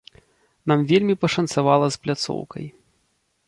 Нам вельмі пашанцавала з пляцоўкай.